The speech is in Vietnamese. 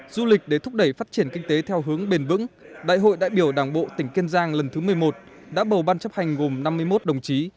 du lịch để thúc đẩy phát triển kinh tế theo hướng bền vững đại hội đại biểu đảng bộ tỉnh kiên giang lần thứ một mươi một đã bầu ban chấp hành gồm năm mươi một đồng chí